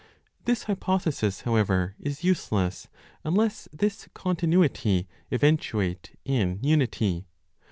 This hypothesis, however, is useless, unless this continuity eventuate in unity.